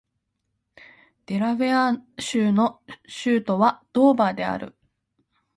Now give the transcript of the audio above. デラウェア州の州都はドーバーである